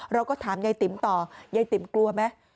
เราก็ถามยายติ๋มต่อยายติ๋มกลัวไหม